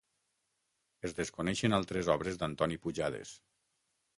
Es desconeixen altres obres d'Antoni Pujades.